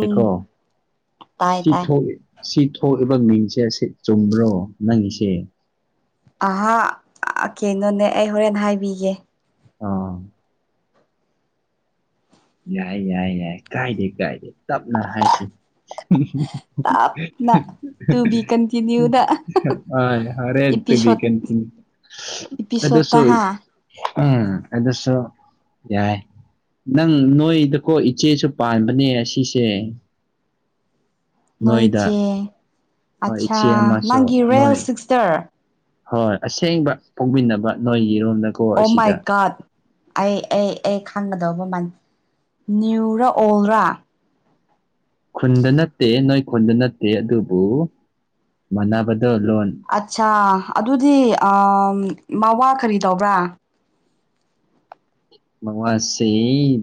ꯍꯥꯏꯀꯣ ꯇꯥꯏ ꯁꯤ ꯇꯥꯏ ꯊꯣꯛꯑꯦ ꯁꯤ ꯊꯣꯛꯂꯤꯕ ꯃꯤꯡꯁꯦ ꯑꯁꯤ ꯆꯨꯝꯕ꯭ꯔꯣ ꯅꯪꯒꯤꯁꯦ ꯑꯍꯥ ꯀꯩꯅꯣꯅꯦ ꯑꯩ ꯍꯣꯔꯦꯟ ꯍꯥꯏꯕꯤꯒꯦ ꯑꯥ ꯌꯥꯏ ꯌꯥꯏ ꯌꯥꯏ ꯀꯥꯏꯗꯦ ꯀꯥꯏꯗꯦ ꯇꯞꯅ ꯍꯥꯏꯁꯤ ꯇꯞꯅꯥ ꯇꯨ ꯕꯤ ꯀꯟꯇꯤꯅ꯭ꯌꯨ ꯗꯥ ꯑ ꯍꯣꯔꯦꯟ ꯇꯨꯕꯤ ꯏꯄꯤꯁꯣꯠ ꯀꯟꯇꯤꯅ꯭ꯌꯨ ꯑꯗꯨꯁꯨ ꯏꯄꯤꯁꯣꯠꯇꯥꯍꯥ ꯎꯝ ꯑꯗꯨꯁꯨ ꯌꯥꯏ ꯅꯪ ꯅꯣꯏꯗꯀꯣ ꯏꯆꯦꯁꯨ ꯄꯥꯟꯕꯅꯦ ꯑꯁꯤꯁꯦ ꯅꯣꯏꯗꯥ ꯅꯣꯏꯆꯦ ꯍꯣꯏ ꯑꯠꯆꯥ ꯏꯆꯦ ꯑꯃꯥꯁꯨ ꯅꯪꯒꯤ ꯔꯦꯜ ꯅꯣꯏ ꯁꯤꯛꯁꯇꯔ ꯍꯣꯏ ꯑꯁꯦꯡꯕ ꯄꯣꯛꯃꯤꯟꯅꯕ ꯅꯣꯏꯒꯤꯔꯣꯝꯗ ꯑꯣ ꯃꯥꯏ ꯒꯣꯠ ꯑꯩ ꯑꯩ ꯑꯩ ꯈꯪꯒꯗꯧꯕ ꯃꯥꯟ ꯅ꯭ꯌꯎꯔꯥ ꯑꯣꯜꯔꯥ ꯈꯨꯟꯗ ꯅꯠꯇꯦ ꯅꯣꯏ ꯈꯨꯟꯗ ꯅꯠꯇꯦ ꯑꯗꯨꯕꯨ ꯃꯥꯟꯅꯕꯗꯣ ꯂꯣꯟ ꯑꯠꯁꯥ ꯑꯗꯨꯗꯤ ꯑꯥ ꯃꯋꯥ ꯀꯔꯤ ꯇꯧꯕ꯭ꯔꯥ ꯃꯋꯥꯁꯤ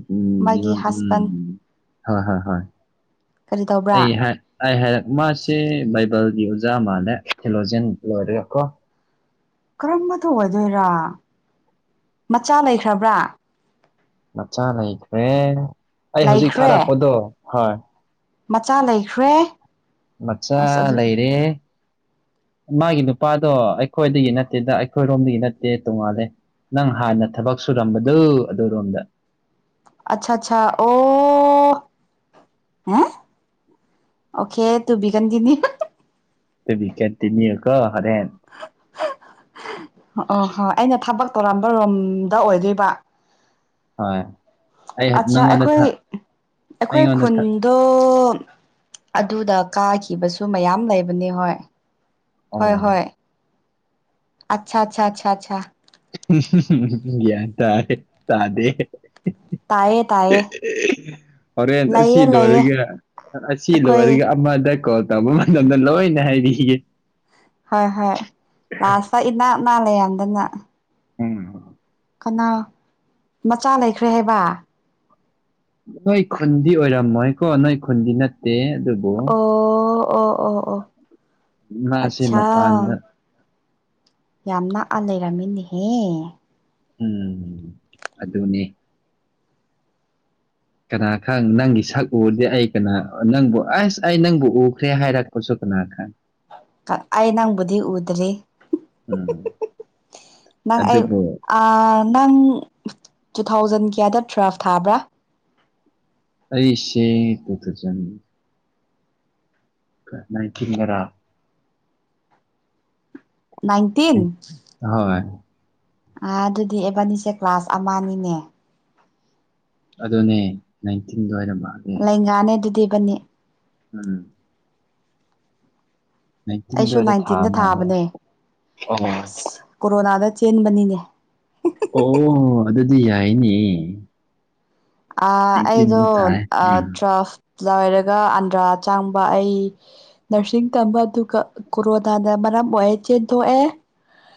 [unintelligible] ꯃꯥꯒꯤ ꯍꯁꯕꯦꯟ ꯎꯝ ꯍꯣꯏ ꯍꯣꯏ ꯍꯣꯏ ꯀꯔꯤ ꯇꯧꯕ꯭ꯔꯥ ꯑꯩ ꯍꯥꯏ ꯑꯩ ꯍꯥꯏꯔꯛ ꯃꯥꯁꯦ ꯕꯥꯏꯕꯜꯒꯤ ꯑꯣꯖꯥ ꯃꯥꯜꯂꯦ ꯊꯦꯂꯣꯖꯦꯟ ꯂꯣꯏꯔꯒ ꯀꯣ ꯀꯔꯝꯕꯗꯣ ꯑꯣꯏꯗꯣꯏꯔ ꯃꯆꯥ ꯂꯩꯈ꯭ꯔꯥꯕ꯭ꯔꯥ ꯃꯆꯥ ꯂꯩꯈ꯭ꯔꯦ ꯑꯩ ꯍꯧꯖꯤꯛ ꯂꯩꯈ꯭ꯔꯦ ꯊꯥꯔꯛꯄꯗꯣ ꯍꯣꯏ ꯃꯆꯥ ꯂꯩꯈ꯭ꯔꯦ ꯃꯆꯥ ꯑꯁ ꯑꯗꯨ ꯂꯩꯔꯦ ꯃꯥꯒꯤ ꯅꯨꯄꯥꯗꯣ ꯑꯩꯈꯣꯏꯗꯒꯤ ꯅꯠꯇꯦꯗ ꯑꯩꯈꯣꯏꯔꯣꯝꯗꯒꯤ ꯅꯠꯇꯦ ꯇꯣꯡꯉꯥꯜꯂꯦ ꯅꯪ ꯍꯥꯟꯅ ꯊꯕꯛ ꯁꯨꯔꯝꯕꯗꯨ ꯑꯗꯨꯔꯣꯝꯗ ꯑꯠꯁꯥ ꯑꯠꯁꯥ ꯑꯣ [unintelligible] ꯑꯣꯀꯦ ꯇꯨꯕꯤ ꯀꯟꯇꯅꯤꯌꯨ ꯇꯨꯕꯤꯀꯟꯇꯤꯅꯤꯌꯨ ꯀꯣ ꯍꯣꯔꯦꯟ ꯑꯣ ꯍꯣꯏ ꯑꯩꯅ ꯊꯕꯛ ꯇꯧꯔꯝꯕ ꯔꯣꯝꯗ ꯑꯣꯏꯗꯣꯏꯕ ꯍꯣꯏ ꯑꯩ ꯑꯆꯥ ꯅꯪꯉꯣꯟꯗ ꯑꯩꯈꯣꯏ ꯊꯥ ꯑꯩꯈꯣꯏ ꯑꯩꯉꯣꯟꯗ ꯈꯨꯟ ꯊꯥ ꯑꯗꯣ ꯑꯗꯨꯗ ꯀꯥꯈꯤꯕꯁꯨ ꯃꯌꯥꯝ ꯂꯩꯕꯅꯤ ꯍꯣꯏ ꯑꯣ ꯍꯣꯏ ꯍꯣꯏ ꯑꯁꯥ ꯑꯁꯥ ꯑꯁꯥ ꯑꯁꯥ ꯌꯥ꯭ ꯇꯥꯔꯦ ꯇꯗꯦ [inaudible] ꯇꯥꯏꯌꯦ ꯇꯥꯏꯌꯦ ꯍꯣꯔꯦꯟ ꯑꯁꯤ ꯂꯩꯌꯦ ꯂꯩꯌꯦ ꯂꯣꯏꯔꯒ ꯑꯁꯤ ꯑꯩꯈꯣꯏ ꯂꯣꯏꯔꯒ ꯑꯃꯗ ꯀꯣꯜ ꯇꯧꯕ ꯃꯇꯝꯗ ꯂꯣꯏꯅ ꯍꯥꯏꯕꯤꯒꯦ ꯍꯣꯏ ꯍꯣꯏ ꯂꯥꯁꯇ ꯏꯅꯛ ꯅꯛ ꯑ ꯂꯩꯔꯝꯗꯅ ꯎꯝ ꯀꯅꯥ ꯃꯆꯥ ꯂꯩꯈ꯭ꯔꯦ ꯍꯥꯏꯕ ꯅꯣꯏ ꯈꯨꯟꯗꯤ ꯑꯣꯏꯔꯝꯃꯣꯏ ꯀꯣ ꯅꯣꯏ ꯈꯨꯟꯗꯤ ꯅꯠꯇꯦ ꯑꯗꯨ ꯑꯣ ꯑꯣ ꯑꯣ ꯑꯣ ꯃꯥꯁꯦ ꯑꯁꯥ ꯃꯄꯥꯟꯗ ꯌꯥꯝ ꯅꯛꯑ ꯂꯩꯔꯝꯃꯤꯅꯦꯍꯦ ꯎꯝ ꯑꯗꯨꯅꯤ ꯀꯅꯥ ꯈꯪ ꯅꯪꯒꯤ ꯁꯛ ꯎꯔꯗꯤ ꯑꯩ ꯀꯅꯥ ꯅꯪꯕꯨ ꯑꯁ ꯑꯩ ꯅꯪꯕꯨ ꯎꯈ꯭ꯔꯦ ꯍꯥꯏꯔꯛꯄꯁꯨ ꯀꯅꯥ ꯈꯪ ꯑꯩ ꯅꯪꯕꯨꯗꯤ ꯎꯗ꯭ꯔꯤ ꯎꯝ ꯅꯪ ꯑꯩ ꯑꯗꯨꯕꯨ ꯅꯪ ꯇꯨ ꯊꯥꯎꯖꯟ ꯀꯌꯥꯗ ꯇꯨꯋꯦꯜꯐ ꯊꯥꯕ꯭ꯔꯥ ꯑꯩꯁꯦ ꯇꯨꯊꯥꯎꯖꯟ ꯥꯅꯥꯏꯟꯇꯤꯟꯗꯔꯥ ꯅꯥꯟꯇꯤꯟ ꯍꯣꯏ ꯑꯗꯨꯗꯤ ꯏꯕꯥꯅꯤꯁꯦ ꯀ꯭ꯂꯥꯁ ꯑꯃꯅꯤꯅꯦ ꯑꯗꯨꯅꯦ ꯅꯥꯏꯟꯇꯤꯟ ꯑꯗꯨꯋꯥꯏꯗ ꯃꯥꯜꯂꯦ ꯂꯦꯡꯒꯅꯦ ꯑꯗꯨꯗꯤ ꯏꯕꯅꯤ ꯎꯝ ꯅꯥꯏꯟꯇꯤꯟꯗ ꯑꯩꯁꯨ ꯑꯣꯏꯔ ꯊꯥ ꯅꯥꯏꯟꯇꯤꯟꯗ ꯃꯥꯜꯂꯦ ꯊꯥꯕꯅꯦ ꯑꯣ ꯑꯁ ꯀꯣꯔꯣꯅꯥꯗ ꯆꯦꯟꯕꯅꯤꯅꯦ ꯑꯣ ꯑꯗꯨꯗꯤ ꯌꯥꯏꯅꯦ ꯑꯩꯗꯣ ꯅꯥꯏꯟꯇꯤꯟꯗ ꯊꯥꯏ ꯎꯝ ꯇ꯭ꯋꯦꯜꯐ ꯂꯣꯏꯔꯒ ꯑꯟꯗ꯭ꯔꯥ ꯆꯪꯕ ꯑꯩ ꯅꯔꯁꯤꯡ ꯇꯝꯕ ꯑꯗꯨꯒ ꯀꯣꯔꯣꯅꯥꯅ ꯃꯔꯝ ꯑꯣꯏꯔꯦ ꯆꯦꯟꯊꯣꯛꯑꯦ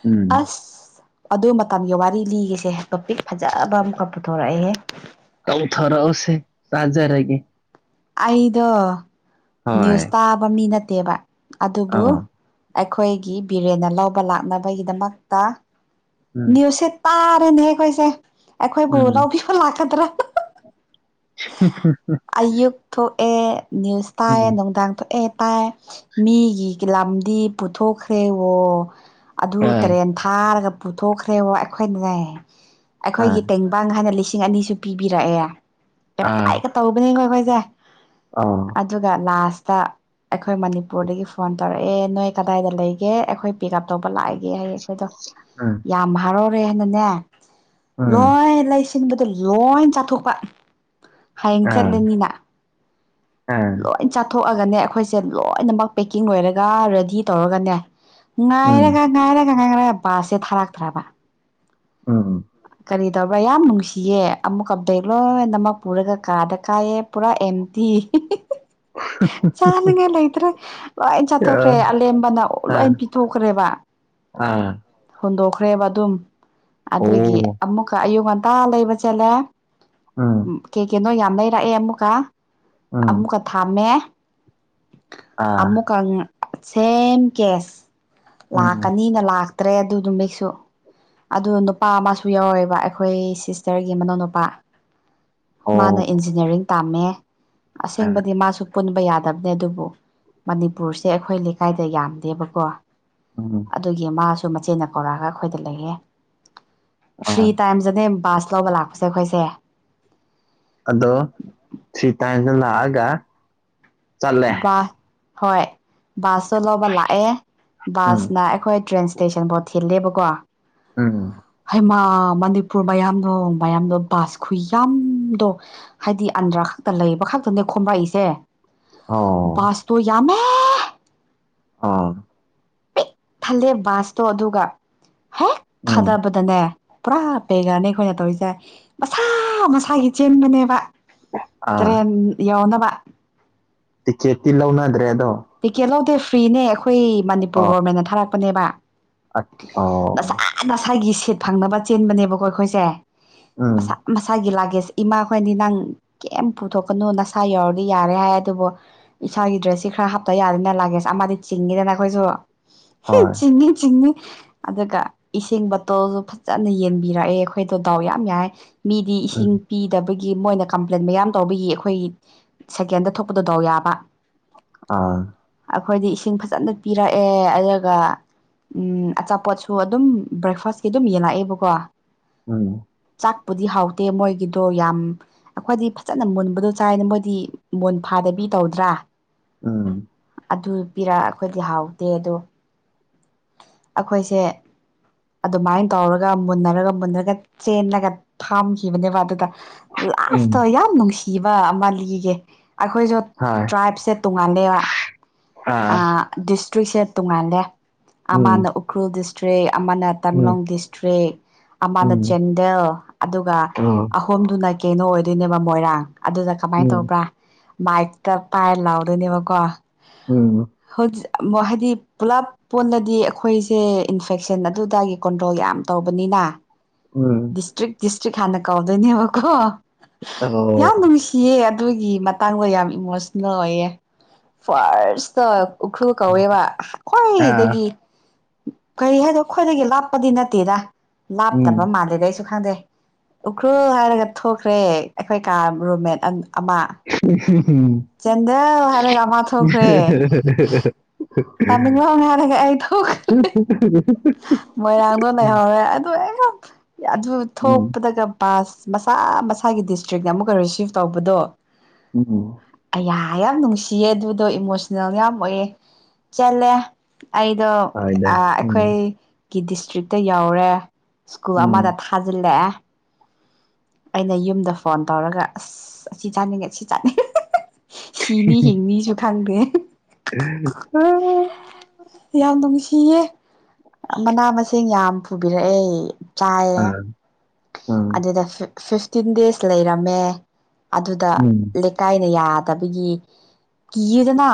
ꯎꯝ ꯑꯁ ꯑꯗꯨ ꯃꯇꯝꯒꯤ ꯋꯥꯔꯤ ꯂꯤꯒꯦꯁꯦ ꯍꯦ ꯇꯣꯄꯤꯛ ꯐꯖꯕ ꯑꯃꯨꯛꯀ ꯄꯨꯊꯣꯔꯛꯑꯦꯍꯦ ꯊꯧꯊꯔꯛꯑꯣꯁꯦ ꯇꯖꯔꯒꯦ ꯑꯩꯗꯣ ꯍꯣꯏ ꯅ꯭ꯌꯨꯁ ꯇꯥꯕ ꯃꯤ ꯅꯠꯇꯦꯕ ꯑꯗꯨꯕꯨ ꯑꯧ ꯑꯩꯈꯣꯏꯒꯤ ꯕꯤꯔꯦꯟꯅ ꯂꯧꯕ ꯂꯥꯛꯅꯕꯒꯤꯗꯃꯛꯇ ꯎꯝ ꯅ꯭ꯌꯨꯁꯁꯦ ꯇꯥꯔꯦꯅꯦ ꯑꯩꯈꯣꯏꯁꯦ ꯑꯩꯈꯣꯏꯕꯨ ꯎꯝ ꯂꯧꯕꯤꯕ ꯂꯥꯛꯀꯗ꯭ꯔꯥ [unintelligible] ꯑꯌꯨꯛ ꯊꯣꯛꯑꯦ ꯅ꯭ꯌꯨꯁ ꯇꯥꯏ ꯎꯝ ꯅꯨꯡꯗꯥꯡ ꯊꯣꯛꯑꯦ ꯇꯥꯏ ꯃꯤꯒꯤ ꯂꯝꯗꯤ ꯄꯨꯊꯣꯛꯈ꯭ꯔꯦꯋ ꯑꯗꯨ ꯑꯥ ꯇꯔꯦꯟ ꯊꯥꯔꯒ ꯄꯨꯊꯣꯛꯈ꯭ꯔꯦꯕ ꯑꯩꯈꯣꯏꯅꯅꯦ ꯑꯥ ꯑꯩꯈꯣꯏꯒꯤ ꯇꯦꯡ ꯕꯪ ꯍꯥꯟꯅ ꯂꯤꯁꯤꯡ ꯑꯅꯤꯁꯨ ꯄꯤꯕꯤꯔꯛꯑꯦ ꯑꯥ ꯇꯧꯕꯅꯤꯈꯣꯏꯈꯣꯏꯁꯦ ꯑ ꯑꯗꯨꯒ ꯂꯥꯁꯇ ꯑꯩꯈꯣꯏ ꯃꯅꯤꯄꯨꯔꯗꯒꯤ ꯐꯣꯟ ꯇꯧꯔꯛꯑꯦ ꯅꯣꯏ ꯀꯗꯥꯏꯗ ꯂꯩꯒꯦ ꯑꯩꯈꯣꯏ ꯄꯤꯛ ꯑꯞ ꯇꯧꯕ ꯂꯥꯛꯑꯒꯦ ꯍꯥꯏꯌꯦ ꯑꯩꯈꯣꯏꯗꯣ ꯎꯝ ꯌꯥꯝ ꯍꯔꯥꯎꯔꯦ ꯍꯥꯏꯅꯅꯦ ꯎꯝ ꯂꯣꯏ ꯂꯩꯁꯤꯟꯕꯗ ꯂꯣꯏ ꯆꯥꯊꯣꯛꯄ ꯍꯌꯦꯡ ꯑꯥ ꯆꯠꯂꯅꯤꯅ ꯑꯥ ꯂꯣꯏ ꯆꯥꯊꯣꯛꯑꯒꯅꯦ ꯑꯩꯈꯣꯏꯁꯦ ꯂꯣꯏꯅꯃꯛ ꯄꯦꯛꯀꯤꯡ ꯂꯣꯏꯔꯒ ꯔꯦꯗꯤ ꯇꯧꯔꯒꯅꯦ ꯎꯝ ꯉꯥꯏꯔꯒ ꯉꯥꯏꯔꯒ ꯉꯥꯏꯔꯒ ꯕꯥꯁꯁꯦ ꯊꯥꯔꯛꯇ꯭ꯔꯕ ꯎꯝ ꯀꯔꯤ ꯇꯧꯕ꯭ꯔꯥ ꯌꯥꯝ ꯅꯨꯡꯁꯤꯌꯦ ꯑꯃꯨꯛꯀ ꯕꯦꯠ ꯂꯣꯏꯅꯃꯛ ꯄꯨꯔꯒ ꯀꯥꯗ ꯀꯥꯏꯑ ꯄꯨꯔꯥ ꯑꯦꯝꯇꯤ ꯆꯥꯅꯉꯥꯏ ꯂꯩꯇ꯭ꯔꯦ ꯂꯣꯏ ꯆꯥꯊꯣꯛꯈ꯭ꯔꯦ ꯑꯥ ꯑꯂꯦꯝꯦꯝꯕꯅ ꯑꯥ ꯂꯣꯏ ꯄꯤꯊꯣꯛꯈ꯭ꯔꯦꯕ ꯑꯥ ꯍꯣꯟꯗꯣꯛꯈ꯭ꯔꯦꯕ ꯑꯗꯨꯝ ꯑꯗꯨꯒꯤ ꯑꯣ ꯑꯃꯨꯛꯀ ꯑꯌꯨꯛ ꯉꯟꯇꯥ ꯂꯩꯕ ꯆꯠꯂꯦ ꯎꯝ ꯀꯩ ꯀꯅꯣ ꯌꯥꯝ ꯂꯩꯔꯛꯑꯦ ꯑꯃꯨꯛꯀ ꯎꯝ ꯑꯃꯨꯛꯀ ꯊꯝꯃꯦ ꯑꯥ ꯑꯃꯨꯛꯀ ꯁꯦꯝ ꯀꯦꯁ ꯎꯝ ꯂꯥꯛꯀꯅꯤꯅ ꯇ꯭ꯔꯦ ꯑꯗꯨꯗꯨꯕꯦꯛꯁꯨ ꯑꯗꯨ ꯅꯨꯄꯥ ꯃꯥꯁꯨ ꯌꯥꯎꯋꯦꯕ ꯑꯩꯈꯣꯏ ꯁꯤꯁꯇꯔꯒꯤ ꯃꯅꯥꯎꯅꯨꯄꯥ ꯑꯣ ꯃꯥꯅ ꯏꯟꯖꯤꯅꯤꯌꯥꯔꯤꯡ ꯇꯥꯝꯃꯦ ꯑꯥ ꯑꯁꯦꯡꯕꯗꯤ ꯃꯥꯁꯨ ꯄꯨꯟꯕ ꯌꯥꯗꯕꯅꯦ ꯑꯗꯨꯕꯨ ꯃꯅꯤꯄꯨꯔꯁꯦ ꯑꯩꯈꯣꯏ ꯂꯩꯀꯥꯏꯗ ꯌꯥꯝꯗꯦꯕꯀꯣ ꯎꯝ ꯑꯗꯨꯒꯤ ꯃꯥꯁꯨ ꯃꯆꯦꯟꯅ ꯀꯧꯔꯛꯑꯒ ꯑꯩꯈꯣꯏꯗ ꯂꯩꯌꯦꯦ ꯊ꯭ꯔꯤ ꯑꯥ ꯇꯥꯏꯝꯁꯇꯅꯦ ꯕꯥꯁ ꯂꯧꯕ ꯂꯥꯛꯄꯁꯦ ꯑꯩꯈꯣꯏꯁꯦ ꯑꯗꯣ ꯊ꯭ꯔꯤ ꯇꯥꯏꯝꯁꯇ ꯂꯥꯛꯑꯒ ꯆꯠꯂꯦ ꯍꯣꯏ ꯕꯥꯁꯇ ꯂꯧꯕ ꯂꯥꯛꯑꯦ ꯎꯝ ꯕꯥꯁꯅ ꯑꯩꯈꯣꯏ ꯇ꯭ꯔꯦꯟ ꯁꯟꯕꯣꯠ ꯊꯤꯜꯂꯦꯕꯀꯣ ꯎꯝ ꯃꯅꯤꯄꯨꯔ ꯃꯌꯥꯝꯗꯣ ꯃꯌꯥꯝꯗꯣ ꯕꯥꯁ ꯈꯨ ꯌꯥꯝꯗꯣ ꯍꯥꯏꯗꯤ ꯑꯟꯗ꯭ꯔꯥ ꯈꯛꯇ ꯂꯩꯕ ꯈꯛꯇꯅꯦ ꯈꯣꯝꯝꯕꯔꯛꯏꯁꯦ ꯑꯣ ꯕꯥꯁꯇꯣ ꯌꯥꯝꯅ ꯑꯥ ꯈꯜꯂꯦ ꯕꯥꯁꯇꯣ ꯑꯗꯨꯒ ꯍꯦꯛ ꯎꯝ ꯈꯗꯕ ꯗꯅꯦ ꯄꯨꯔꯥ ꯄꯦꯒꯔꯅꯦ ꯑꯩꯈꯣꯏꯅ ꯇꯧꯔꯤꯁꯦ ꯃꯁꯥ ꯃꯁꯥꯒꯤ ꯆꯦꯟꯕꯅꯦꯕ ꯏ ꯑꯥ ꯌꯧꯅꯕ ꯆꯦꯇ ꯂꯧꯅꯗ꯭ꯔꯦ ꯑꯗꯣ ꯇꯤꯛꯀꯦꯠ ꯂꯧꯗꯦ ꯐ꯭ꯔꯤꯅꯦ ꯑꯩꯈꯣꯏ ꯃꯅꯤꯄꯨꯔ ꯒꯣꯚꯃꯦꯟꯅ ꯊꯥꯔꯛꯄꯅꯦꯕ ꯑ ꯑꯣ ꯉꯁꯥꯏꯒꯤ ꯁꯦꯠ ꯐꯪꯅꯕ ꯆꯦꯟꯕꯅꯦꯕꯀꯣ ꯑꯩꯈꯣꯏꯁꯦ ꯃꯁꯥ ꯎꯝ ꯃꯁꯥꯒꯤ ꯂꯥꯒꯦꯁ ꯏꯃꯥꯈꯣꯏꯅꯤ ꯅꯪ ꯀꯩꯝ ꯄꯨꯊꯣꯛꯀꯅꯨ ꯅꯁꯥ ꯌꯎꯔꯗꯤ ꯌꯥꯔꯦ ꯍꯥꯏ ꯑꯗꯨꯕꯨ ꯏꯁꯥꯒꯤ ꯗ꯭ꯔꯦꯁꯁꯤ ꯈꯔ ꯍꯥꯞ ꯌꯥꯗꯦꯅ ꯂꯥꯒꯦꯁ ꯑꯃꯗꯤ ꯆꯤꯡꯉꯤꯗꯅ ꯑꯩꯈꯣꯏꯁꯨ ꯍꯣꯏ ꯆꯤꯡꯏ ꯆꯤꯡꯏ ꯑꯗꯨꯒ ꯏꯁꯤꯡ ꯕꯇꯣꯜꯁꯨ ꯐꯖꯅ ꯌꯦꯟꯕꯤꯔꯛꯑꯦ ꯑꯩꯈꯣꯏꯗꯣ ꯗꯥꯎ ꯌꯥꯝ ꯌꯥꯏ ꯃꯤꯗꯤ ꯏꯁꯤꯡ ꯎꯝ ꯄꯤꯗꯕꯒꯤ ꯃꯣꯏꯅ ꯀꯝꯄ꯭ꯂꯦꯟ ꯃꯌꯥꯝ ꯇꯧꯕꯒꯤ ꯑꯩꯈꯣꯏ ꯁꯦꯀꯦꯟꯗ ꯊꯣꯛꯄꯗꯗꯥꯎ ꯌꯥꯕ ꯑꯥ ꯑꯩꯈꯣꯏꯗꯤ ꯏꯁꯤꯡ ꯐꯖꯅ ꯄꯤꯔꯛꯑꯦ ꯑꯗꯨꯒ ꯎꯝ ꯑꯆꯥꯄꯣꯠꯁꯨ ꯑꯗꯨꯝ ꯕ꯭ꯔꯦꯛꯐꯥꯁꯀꯤ ꯑꯗꯨꯝ ꯌꯦꯜꯂꯛꯑꯦꯕꯀꯣ ꯎꯝ ꯆꯥꯛꯄꯨꯗꯤ ꯍꯥꯎꯇꯦ ꯃꯣꯏꯒꯤꯗꯣ ꯌꯥꯝ ꯑꯩꯈꯣꯏꯗꯤ ꯐꯖꯅ ꯃꯨꯟꯕꯗꯣ ꯆꯥꯏꯅ ꯃꯣꯏꯗꯤ ꯃꯨꯟ ꯐꯥꯗꯕꯤ ꯇꯧꯗ꯭ꯔꯥ ꯎꯝ ꯑꯗꯨ ꯄꯤꯔꯛ ꯑꯩꯈꯣꯏꯗꯤ ꯍꯥꯎꯗꯦ ꯑꯗꯣ ꯑꯩꯈꯣꯏꯁꯦ ꯑꯗꯨꯃꯥꯏꯅ ꯇꯧꯔꯒ ꯃꯨꯟꯅꯔꯒ ꯃꯨꯟꯅꯔꯒ ꯆꯦꯂꯒ ꯊꯥꯝꯈꯤꯕꯅꯦꯕ ꯑꯗꯨꯗ ꯎꯝ ꯂꯥꯁꯇ ꯌꯥꯝ ꯅꯨꯡꯁꯤꯕ ꯃꯥꯂꯤꯒꯤ ꯑꯩꯈꯣꯏꯁꯨ ꯍꯣꯏ ꯇ꯭ꯔꯥꯏꯞꯁꯦ ꯇꯣꯡꯉꯥꯟꯂꯦ ꯍ ꯑꯥ ꯗꯤꯁꯇ꯭ꯔꯤꯛꯁꯦ ꯇꯣꯉꯥꯟꯂꯦ ꯎꯝ ꯑꯃꯅ ꯎꯈ꯭ꯔꯨꯜ ꯗꯤꯁꯇ꯭ꯔꯤꯛ ꯑꯃꯅ ꯎꯝ ꯇꯃꯦꯡꯂꯣꯡ ꯗꯤꯁꯇ꯭ꯔꯤꯛ ꯑꯃꯅ ꯎꯝ ꯆꯥꯟꯗꯦꯜ ꯑꯗꯨꯒ ꯑꯣ ꯑꯍꯣꯝꯗꯨꯅ ꯀꯩꯅꯣ ꯑꯣꯏꯗꯣꯏꯅꯦꯕ ꯃꯣꯏꯔꯥꯡ ꯑꯗꯨꯗ ꯀꯃꯥꯏꯅ ꯎꯝ ꯇꯧꯕ꯭ꯔꯥ ꯃꯏꯛꯛꯇ ꯄꯥꯏꯔ ꯂꯥꯎꯗꯣꯏꯅꯦꯕꯀꯣ ꯎꯝ ꯍꯧ ꯃ ꯍꯥꯏꯗꯤ ꯄꯨꯂꯞ ꯄꯣꯟꯂꯗꯤ ꯑꯩꯈꯣꯏꯁꯦ ꯏꯟꯐꯦꯛꯁꯟ ꯑꯗꯨꯗꯒꯤ ꯀꯟꯇ꯭ꯔꯣꯜ ꯌꯥꯝ ꯇꯧꯕꯅꯤꯅ ꯎꯝ ꯗꯤꯁꯇ꯭ꯔꯤꯛ ꯗꯤꯁꯇ꯭ꯔꯤ ꯈꯥꯟꯅ ꯀꯥꯎꯧꯗꯣꯏꯅꯤ ꯑꯕ ꯀꯣ ꯌꯥꯝ ꯉꯨꯡꯁ ꯑꯣ ꯁꯤꯌꯦ ꯑꯗꯨꯒꯤ ꯃꯇꯥꯡꯗꯣ ꯌꯥꯝ ꯏꯃꯣꯁꯅꯦꯜ ꯑꯣꯏꯌꯦ ꯐꯥꯔꯁꯇ ꯎꯈ꯭ꯔꯨ ꯀꯧꯋꯦꯕ ꯍꯣꯏ ꯑꯥ ꯀꯔꯤ ꯍꯥꯏꯗꯣ ꯑꯩꯈꯣꯏꯗꯒꯤ ꯂꯥꯞꯄꯗꯤ ꯅꯠꯇꯦ ꯎꯝ ꯂꯥꯞꯇꯕ ꯃꯥꯜꯜꯂꯤꯦꯗ ꯑꯩꯁꯨ ꯈꯪꯗꯦ ꯎꯈ꯭ꯔꯨꯜ ꯍꯥꯏꯔꯒ ꯊꯣꯛꯈ꯭ꯔꯦ ꯑꯩꯈꯣꯏ ꯀꯥ ꯔꯨꯝꯃꯦꯠ ꯑ ꯑꯃ ꯎꯝ ꯆꯦꯟꯗꯦꯜ ꯍꯥꯏꯔꯒ ꯑꯃ ꯊꯣꯛꯈ꯭ꯔꯦ ꯇꯝꯃꯦꯡꯂꯣꯡ ꯍꯥꯏꯔꯒ ꯑꯩ ꯇ ꯎꯝ ꯃꯣꯏꯔꯥꯡꯗꯣ ꯂꯩꯍꯧꯔꯦ ꯑꯗꯨ ꯑꯩ ꯌꯥꯝ ꯑꯗꯨ ꯎꯝ ꯊꯣꯛꯄꯗꯒ ꯄꯥꯁ ꯃꯁꯥ ꯃꯁꯥꯒꯤ ꯗꯤꯁꯇ꯭ꯔꯤꯛꯅ ꯑꯃꯨꯛꯀ ꯔꯤꯁꯤꯞ ꯇꯧꯕꯗꯣ ꯑꯣ ꯑꯌꯥ ꯌꯥꯝ ꯅꯨꯡꯁꯤꯌꯦ ꯑꯗꯨꯗꯣ ꯏꯃꯣꯁꯅꯦꯜ ꯌꯥꯝ ꯑꯣꯏꯑꯦ ꯆꯠꯂꯦ ꯑꯩꯗꯣ ꯍꯣꯏꯗ ꯑ ꯎꯝ ꯒꯤ ꯗꯤꯁꯇ꯭ꯔꯤꯛꯇ ꯌꯧꯔꯦ ꯁ꯭ꯀꯨꯜ ꯑꯃꯗ ꯎꯝ ꯊꯥꯖꯤꯜꯂꯛꯑꯦ ꯑꯩꯅ ꯌꯨꯝꯗ ꯐꯣꯟ ꯇꯧꯔꯒ ꯑꯁ ꯁꯤ ꯆꯥꯅꯤꯡꯉꯦ ꯁꯤ ꯆꯥꯅꯤꯡꯉꯦ ꯁꯤꯅꯤ ꯍꯤꯡꯅꯤꯁꯨ ꯊꯪꯗ ꯑꯥ ꯌꯥꯝ ꯅꯨꯡꯁꯤꯌꯦ ꯃꯅꯥ ꯃꯁꯤꯡ ꯌꯥꯝ ꯄꯨꯕꯤꯔꯛꯑꯦ ꯑ ꯆꯥꯏꯌꯦ ꯑꯣ ꯑꯗꯨꯗ ꯐꯤꯐꯇꯤꯟ ꯗꯦꯖ ꯂꯩꯔꯝꯃꯦ ꯑꯗꯨꯗ ꯎꯝ ꯀꯥꯏꯅ ꯌꯥꯗꯕꯒꯤ ꯀꯤꯗꯅ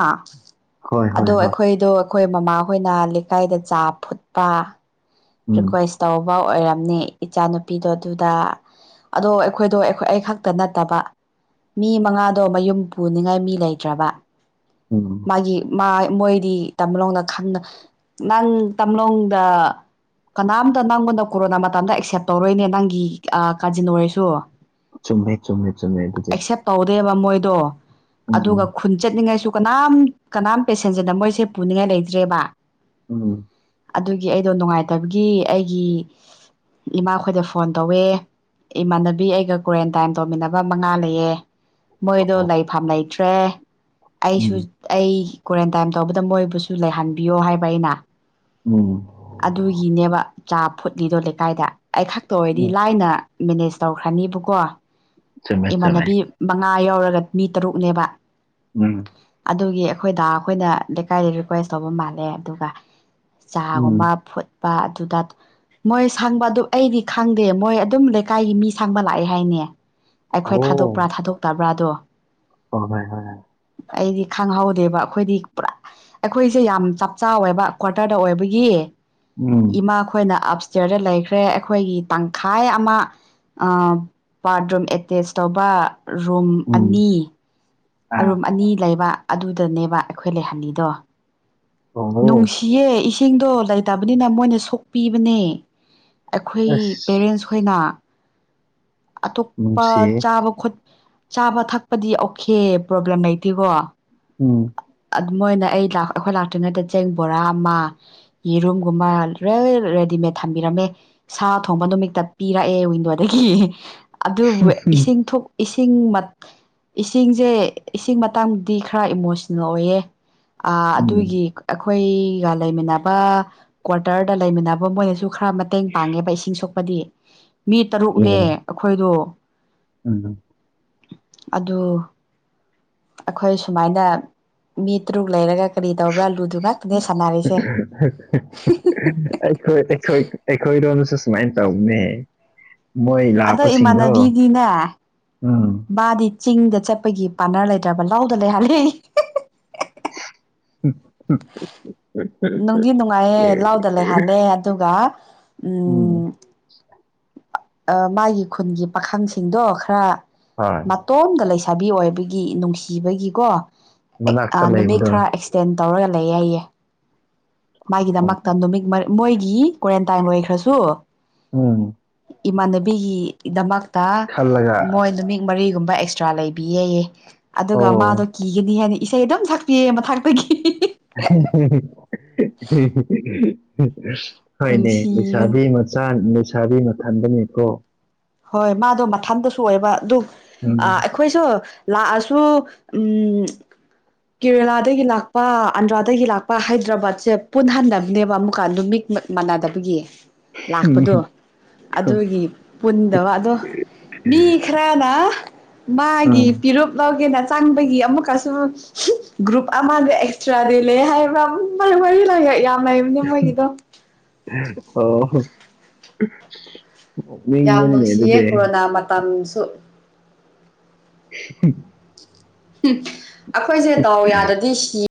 ꯍꯣꯏ ꯍꯣꯏ ꯑꯗꯣ ꯍꯣꯏ ꯑꯩꯈꯣꯏꯗꯣ ꯑꯩꯈꯣꯏ ꯃꯃꯥꯍꯣꯏꯅ ꯂꯩꯀꯥꯏꯗ ꯆꯥ ꯐꯨꯠꯄ ꯎꯝ ꯔꯤꯀ꯭ꯋꯦꯁ ꯇꯧꯕ ꯑꯣꯏꯔꯝꯅꯦ ꯏꯆꯥꯅꯨꯄꯤꯗꯣ ꯑꯗꯨꯗ ꯑꯗꯣ ꯑꯩꯈꯣꯏꯗꯣ ꯑꯩꯈꯣꯏ ꯑꯩ ꯈꯛꯇ ꯅꯠꯇꯕ ꯃꯤ ꯃꯉꯥꯗꯣ ꯃꯌꯨꯝ ꯄꯨꯅꯤꯡꯉꯥꯏ ꯃꯤ ꯂꯩꯇ꯭ꯔꯕ ꯎꯝ ꯃꯥꯒꯤ ꯃꯥ ꯃꯣꯏꯗꯤ ꯇꯝꯂꯣꯡꯗ ꯈꯪꯅ ꯅꯪ ꯇꯝꯂꯣꯡꯗ ꯀꯅꯥꯝꯇ ꯅꯪꯕꯨꯅ ꯀꯣꯔꯣꯅꯥ ꯃꯇꯝꯗ ꯑꯦꯛꯁꯦꯞ ꯇꯧꯔꯣꯏꯅꯦ ꯅꯪꯒꯤ ꯀꯥꯖꯤꯟ ꯑꯣꯏꯔꯦꯁꯨ ꯆꯨꯝꯃꯦ ꯆꯨꯝꯃꯦ ꯆꯨꯝꯃꯦ ꯑꯗꯨꯗꯤ ꯇꯧꯗꯦꯕ ꯃꯣꯏꯗꯣ ꯑꯗꯨꯒ ꯎꯝ ꯈꯨꯟ ꯆꯠꯅꯤꯡꯉꯥꯏꯁꯨ ꯀꯅꯥꯝ ꯀꯅꯥꯝ ꯄꯦꯁꯦꯟꯖꯔꯅ ꯃꯣꯏꯁꯦ ꯄꯨꯅꯤꯡꯉꯥꯏ ꯂꯩꯇ꯭ꯔꯦꯕ ꯎꯝ ꯑꯗꯨꯒꯤ ꯑꯩꯗꯣ ꯅꯨꯡꯉꯥꯏꯇꯕꯒꯤ ꯑꯩꯒꯤ ꯏꯃꯥꯈꯣꯏꯗ ꯐꯣꯟ ꯇꯧꯋꯦ ꯏꯃꯥꯟꯅꯕꯤ ꯑꯩꯒ ꯀ꯭ꯋꯥꯔꯦꯟꯇꯥꯏꯟ ꯇꯧꯃꯤꯟꯅꯕ ꯃꯉꯥ ꯂꯩꯌꯦ ꯃꯣꯏꯗꯣ ꯑꯣ ꯂꯩꯐꯝꯥꯝ ꯂꯩꯇ꯭ꯔꯦ ꯑꯩꯁꯨ ꯎꯝ ꯑꯩ ꯀ꯭ꯋꯥꯔꯦꯟꯇꯥꯏꯟ ꯇꯧꯕꯗ ꯃꯣꯏꯕꯨꯁꯨ ꯂꯩꯍꯟꯕꯤꯌꯣ ꯍꯥꯏꯕ ꯑꯩꯅ ꯎꯝ ꯑꯗꯨꯒꯤꯅꯦꯕ ꯆꯥ ꯐꯨꯠꯂꯤꯗꯣ ꯂꯩꯀꯥꯏꯗ ꯑꯩ ꯈꯛꯇ ꯑꯣꯏꯔꯗꯤ ꯎꯝ ꯂꯥꯏꯅ ꯃꯦꯅꯦꯖ ꯇꯧꯈ꯭ꯔꯅꯤꯕꯀꯣ ꯆꯨꯝꯃꯦ ꯆꯨꯝꯃꯦ ꯏꯃꯥꯟꯅꯕꯤ ꯃꯉꯥ ꯌꯥꯧꯔꯒ ꯃꯤ ꯇꯔꯨꯛꯅꯦꯕ ꯎꯝ ꯑꯗꯨꯒꯤ ꯑꯩꯈꯣꯏ ꯗꯥ ꯈꯣꯏꯅ ꯂꯩꯀꯥꯏꯗ ꯔꯤꯀ꯭ꯋꯦꯁ ꯇꯧꯕ ꯃꯥꯜꯂꯦ ꯑꯗꯨꯒ ꯆꯥꯒꯨꯝꯕ ꯎꯝ ꯐꯨꯠꯄ ꯑꯗꯨꯗ ꯃꯣꯏ ꯁꯥꯡꯕ ꯑꯗꯨ ꯑꯩꯗꯤ ꯈꯪꯗꯦ ꯃꯣꯏ ꯑꯗꯨꯝ ꯂꯩꯀꯥꯏꯒꯤ ꯃꯤ ꯁꯥꯡꯕ ꯂꯥꯛꯑꯦ ꯍꯥꯏꯅꯦ ꯑꯩꯈꯣꯏ ꯊꯥꯗꯣꯛꯄ꯭ꯔꯥ ꯊꯥꯗꯣꯛꯇꯕ꯭ꯔꯥꯗꯣ ꯍ ꯍꯣꯏ ꯍꯣꯏ ꯑꯩꯗꯤ ꯈꯪꯍꯧꯗꯦꯕ ꯑꯩꯈꯣꯏꯗꯤ ꯄꯨꯔꯥ ꯑꯩꯈꯣꯏꯁꯦ ꯌꯥꯝ ꯆꯞ ꯆꯥꯋꯦꯕ ꯀ꯭ꯋꯥꯇꯔꯗ ꯑꯣꯏꯕꯒꯤ ꯎꯝ ꯏꯃꯥ ꯑꯩꯈꯣꯏꯅ ꯑꯞ ꯏꯁꯇꯦꯌꯔꯗ ꯂꯩꯈ꯭ꯔꯦ ꯑꯩꯈꯣꯏꯒꯤ ꯇꯪꯈꯥꯏ ꯑꯃ ꯕꯥꯠꯔꯨꯝ ꯑꯦꯇꯦꯁ ꯇꯧꯕ ꯔꯨꯝ ꯎꯝ ꯑꯅꯤ ꯑꯥ ꯔꯨꯝ ꯑꯅꯤ ꯂꯩꯕ ꯑꯗꯨꯗꯅꯦꯕ ꯑꯩꯈꯣꯏ ꯂꯩꯍꯜꯂꯤꯗꯣ ꯑꯣ ꯅꯨꯡꯁꯤ ꯁꯤꯌꯦ ꯏꯁꯤꯡꯗꯣ ꯂꯩꯇꯕꯅꯤꯅ ꯃꯣꯏꯅ ꯁꯣꯛꯄꯤꯕꯅꯦ ꯑꯩꯈꯣꯏ ꯑꯁ ꯄꯦꯔꯦꯟꯁ ꯑꯩꯈꯣꯏꯅ ꯑꯇꯣꯞꯄ ꯅꯨꯡꯁꯤꯌꯦ ꯆꯥꯕ ꯆꯥꯕ ꯊꯛꯄꯗꯤ ꯑꯣꯀꯦ ꯄ꯭ꯔꯣꯕ꯭ꯂꯦꯝ ꯂꯩꯇꯦꯀꯣ ꯎꯝ ꯃꯣꯏꯅ ꯑꯩ ꯑꯩꯈꯣꯏ ꯂꯥꯛꯇ꯭ꯔꯤꯉꯩꯗ ꯆꯦꯡ ꯕꯣꯔꯥ ꯑꯃ ꯌꯦꯔꯨꯝꯒꯨꯝꯕ ꯂꯣꯏ ꯔꯦꯗꯤꯃꯦꯗ ꯊꯝꯕꯤꯔꯝꯃꯦ ꯁꯥ ꯊꯣꯡꯕ ꯅꯨꯃꯤꯠꯇ ꯄꯤꯔꯛꯑꯦ ꯋꯤꯟꯗꯣꯗꯒꯤ ꯑꯗꯨꯕꯨ ꯏꯁꯤꯡ ꯏꯁꯤꯡ ꯏꯁꯤꯡꯁꯦ ꯏꯁꯤꯡ ꯃꯇꯥꯡꯗꯤ ꯈꯔ ꯏꯃꯣꯁ ꯑꯣꯏꯌꯦ ꯎꯝ ꯑꯗꯨꯒꯤ ꯑꯩꯈꯣꯏꯒ ꯂꯩꯃꯤꯟꯅꯕ ꯀ꯭ꯋꯥꯇꯔꯗ ꯂꯩꯃꯤꯟꯅꯕ ꯃꯣꯏꯅꯁꯨ ꯈꯔ ꯃꯇꯦꯡ ꯄꯥꯡꯉꯦꯕ ꯏꯁꯤꯡ ꯁꯣꯛꯄꯗꯤ ꯃꯤ ꯇꯔꯨꯛꯅꯦ ꯑꯣ ꯑꯩꯈꯣꯏꯗꯣ ꯎꯝ ꯑꯗꯨ ꯑꯩꯈꯣꯏ ꯁꯨꯃꯥꯏꯅ ꯃꯤ ꯇꯔꯨꯛ ꯂꯩꯔꯒ ꯀꯔꯤ ꯇꯧꯕ꯭ꯔꯥ ꯂꯨꯗꯨ ꯉꯥꯛꯇꯅꯦ ꯁꯥꯟꯅꯔꯤꯁꯦ ꯑꯩꯈꯣꯏ ꯑꯩꯈꯣꯏ ꯑꯩꯈꯣꯏꯗꯣꯝꯁꯨ ꯁꯨꯃꯥꯏꯅ ꯇꯧꯅꯤ ꯑꯗꯣ ꯏꯃꯥꯟꯅꯕꯤꯗꯤꯅꯦ ꯎꯝ ꯃꯥꯗꯤ ꯆꯤꯡꯗ ꯆꯠꯄꯒꯤ ꯄꯥꯅꯔ ꯂꯩꯇ꯭ꯔꯕ ꯂꯗ ꯂꯩꯍꯜꯂꯤ ꯎꯝ ꯎꯝ ꯅꯨꯡꯗꯤ ꯅꯨꯡꯉꯥꯏꯌꯦꯦ ꯂꯥꯎꯗ ꯂꯩꯍꯜꯂꯦ ꯑꯗꯨꯒ ꯎꯝ ꯃꯥꯒꯤ ꯈꯨꯟꯒꯤ ꯄꯥꯈꯪꯁꯤꯡꯗꯣ ꯈꯔ ꯍꯣꯏ ꯏꯇꯣꯝꯗ ꯂꯩꯁꯥꯕꯤ ꯑꯣꯏꯕꯒꯤ ꯅꯨꯡꯁꯤꯕꯒꯤꯀꯣ ꯃꯅꯥꯛꯇ ꯅꯨꯃꯤꯠ ꯂꯩꯕꯗꯣ ꯈꯔ ꯇꯦꯟ ꯇꯧꯔꯒ ꯂꯩ ꯍꯥꯏꯌꯦ ꯃꯥꯒꯤꯗꯃꯛꯇ ꯅꯨꯃꯤꯠ ꯃꯣꯏꯒꯤ ꯀ꯭ꯋꯥꯔꯦꯟꯇꯥꯏꯟ ꯑꯣꯏꯈ꯭ꯔꯁꯨ ꯎꯝ ꯏꯃꯥꯟꯅꯕꯤꯒꯤꯗꯃꯛꯇ ꯃꯣꯏ ꯈꯜꯂꯒ ꯅꯨꯃꯤ ꯃꯔꯤꯒꯨꯝꯕ ꯑꯦꯛꯁꯇ꯭ꯔꯥ ꯂꯩꯕꯤꯑꯌꯦ ꯑꯗꯨꯒ ꯃꯥꯗꯣ ꯑꯣ ꯀꯤꯒꯅꯤ ꯍꯥꯏꯅ ꯏꯁꯩ ꯑꯗꯨꯝ ꯁꯛꯄꯤꯌꯦ ꯃ ꯊꯥꯛꯇꯒꯤ [inaudible] ꯍꯣꯏꯅꯦ ꯅꯨꯡꯁꯤꯕꯅꯤ ꯂꯩꯁꯥꯕꯤ ꯃꯆꯥ ꯂꯩꯁꯥꯕꯤ ꯃꯊꯟꯗꯅꯤꯀꯣ ꯍꯣꯏ ꯃꯥꯗꯣ ꯃꯊꯟꯗꯁꯨ ꯑꯣꯏꯕ ꯑꯗꯨ ꯎꯝ ꯑꯩꯈꯣꯏꯁꯨ ꯂꯥꯛꯑꯁꯨ ꯎꯝ ꯀꯦꯔꯦꯂꯥꯗꯒꯤ ꯂꯥꯛꯄ ꯑꯟꯗ꯭ꯔꯥꯗꯒꯤ ꯂꯥꯛꯄ ꯍꯥꯏꯗ꯭ꯔꯕꯥꯠꯁꯦ ꯄꯨꯟꯍꯟꯗꯕꯅꯦꯕ ꯑꯃꯨꯛꯀ ꯅꯨꯃꯤꯠ ꯃꯠ ꯃꯥꯟꯅꯗꯕꯒꯤ ꯂꯥꯛꯄꯗꯣ ꯑꯗꯨꯒꯤ ꯄꯨꯟꯗꯕ ꯑꯗꯣ ꯃꯤ ꯈꯔꯅ ꯃꯥꯒꯤ ꯎꯝ ꯄꯤꯔꯨꯞ ꯂꯧꯒꯦꯅ ꯆꯪꯕꯒꯤ ꯑꯃꯨꯛꯀꯁꯨ ꯍꯨꯞ ꯒ꯭ꯔꯨꯞ ꯑꯃꯗ ꯑꯦꯛꯁꯇ꯭ꯔꯥ ꯗꯤꯂꯦ ꯍꯥꯏꯕ ꯃꯣꯏ ꯃꯔꯤ ꯂꯩꯌꯦ ꯌꯥꯝ ꯂꯩꯕꯅꯦ ꯂꯧꯁꯤꯟꯕ ꯃꯣꯏꯒꯤꯗꯣ ꯉꯝꯗꯕ ꯅꯣꯛꯅꯤꯡꯕꯅꯤꯅꯦ ꯑꯗꯨꯗꯤ ꯃ ꯃꯇꯝꯥꯡꯁꯨ [inaudible] ꯎ ꯑꯩꯈꯣꯏꯁꯦ ꯗꯥꯎ ꯌꯥꯗꯗꯤ ꯁꯤ